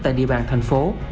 tại địa bàn thành phố